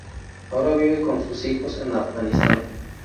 Ahora vive con sus hijos en Afganistán.